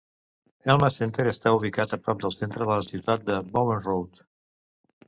Elma Center està ubicat a prop del centre de la ciutat a Bowen Road.